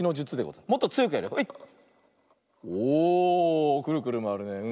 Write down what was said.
おくるくるまわるねうん。